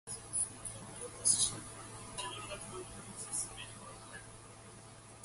"Lountza" is made from the pork tenderloin.